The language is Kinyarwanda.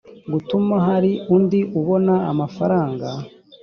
gutuma hari undi ubona amafaranga